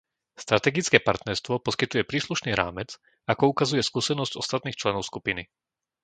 Strategické partnerstvo poskytuje príslušný rámec, ako ukazuje skúsenosť ostatných členov skupiny.